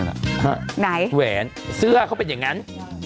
หวีแสนเสื้อเขาเป็นอย่างงั้น